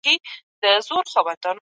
سرمایه داري نظام بدل کړئ.